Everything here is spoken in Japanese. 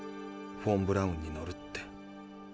「フォン・ブラウンに乗る」って。